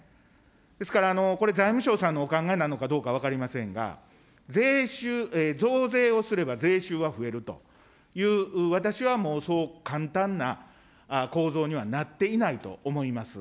ですからこれ、財務省さんのお考えなのかどうか分かりませんが、増税をすれば税収は増えるという、私はもう、そう簡単な構造にはなっていないと思います。